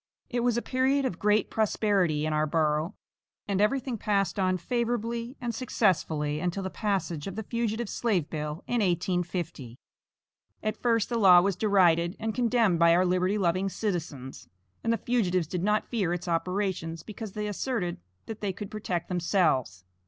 It was a period of great prosperity in our borough, and everything passed on favorably and successfully until the passage of the fugitive slave bill in 1850. At first the law was derided and condemned by our liberty loving citizens, and the fugitives did not fear its operations because they asserted that they could protect themselves.